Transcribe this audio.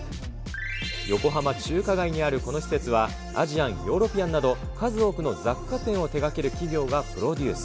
横浜・中華街にあるこの施設は、アジアンやヨーロピアンなど数多くの雑貨店を手がける企業などがプロデュース。